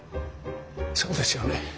そうですよね。